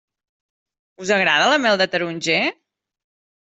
Us agrada la mel de taronger?